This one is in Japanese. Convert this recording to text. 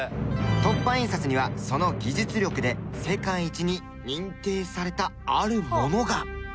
凸版印刷にはその技術力で世界一に認定されたあるものが。